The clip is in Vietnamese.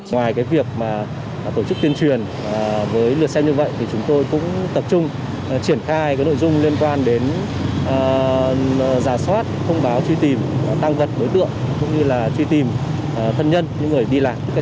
ngoài việc tổ chức tuyên truyền với lượt xem như vậy chúng tôi cũng tập trung triển khai nội dung liên quan đến giả soát thông báo truy tìm tăng vật đối tượng cũng như là truy tìm thân nhân những người đi lạc